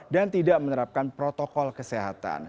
dan tidak menerapkan protokol kesehatan